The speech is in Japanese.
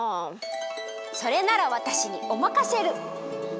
それならわたしにおまかシェル！